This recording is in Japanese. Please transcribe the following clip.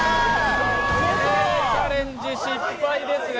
チャレンジ失敗ですね。